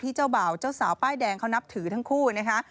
เจ้าบ่าวเจ้าสาวป้ายแดงเขานับถือทั้งคู่นะคะ